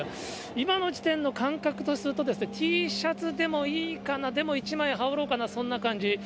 今の時点の感覚とすると、Ｔシャツでもいいかな、でも１枚羽織ろうかな、そんな感じ。